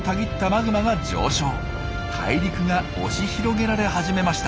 大陸が押し広げられ始めました。